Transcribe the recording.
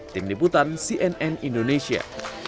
tim diputan cnn indonesia